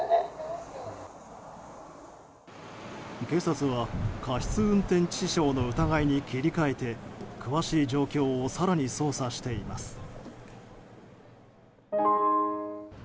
警察は過失運転致死傷の疑いに切り替えて詳しい状況を更に捜査しています。